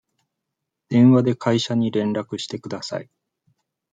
電話で会社に連絡してください。